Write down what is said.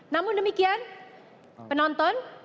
namun demikian penonton